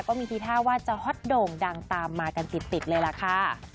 ก็มีทีท่าว่าจะฮอตโด่งดังตามมากันติดเลยล่ะค่ะ